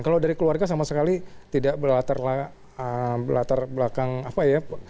kalau dari keluarga sama sekali tidak berlatar belakang apa ya